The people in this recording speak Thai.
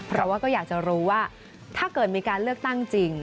เพราะว่าก็อยากจะรู้ว่าถ้าเกิดมีการเลือกตั้งจริง